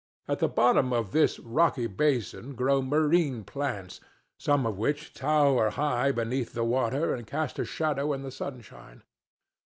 At the bottom of this rocky basin grow marine plants, some of which tower high beneath the water and cast a shadow in the sunshine.